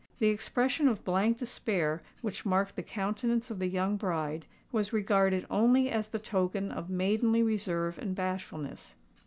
The expression of blank despair which marked the countenance of the young bride was regarded only as the token of maidenly reserve and bashfulness.